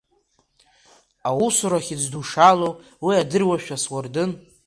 Аусура хьыӡ ду шалоу уи адыруашәа суардын.